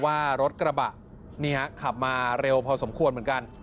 ว่ารถกระบะนี่ฮะขับมาเร็วพอสมควรเหมือนกัน